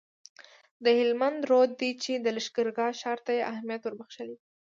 د هلمند رود دی چي د لښکرګاه ښار ته یې اهمیت وربخښلی دی